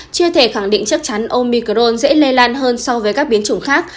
chưa thể khẳng định chắc chắn omicron dễ lây lan hơn so với các biến chủng khác